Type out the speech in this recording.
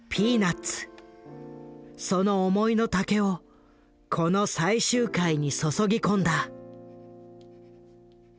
その思いの丈をこの最終回に注ぎ込んだ。